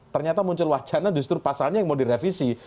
ternyata muncul wacana justru pasalnya yang mau direvisi